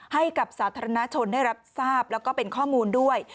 สาธารณชนได้รับทราบแล้วก็เป็นข้อมูลด้วย